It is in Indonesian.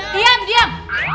eh diam diam